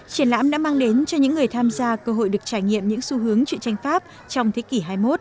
triển lãm đã mang đến cho những người tham gia cơ hội được trải nghiệm những xu hướng chuyện tranh pháp trong thế kỷ hai mươi một